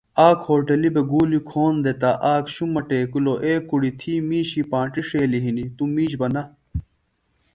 آک ہوٹلیۡ بےۡ گُولیۡ کھون دےۡ تہ آک شُمہ ٹیکِلوۡ اے کُڑیۡ تھی مِیشی پانٹیۡ ݜیلیۡ ہنیۡ توۡ میش بہ نہ